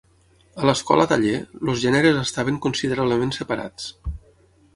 A l'escola taller, els gèneres estaven considerablement separats.